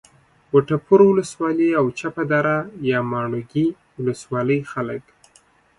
وټپور ولسوالي او چپه دره یا ماڼوګي ولسوالۍ خلک